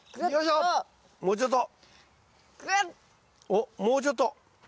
おっもうちょっと。